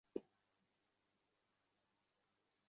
আর এখন দেখতে পারছি আমাদের জীবনের অনেক ভালো দিক আছে তোমার কারণেই।